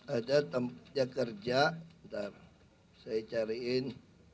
hai saya datang kerja entar saya cariin